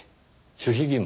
守秘義務。